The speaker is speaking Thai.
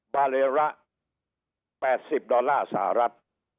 บาเลระ๘๐ดอลลาร์สหรัฐ